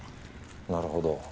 なるほど。